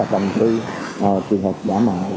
trong cái trường hợp giả mạo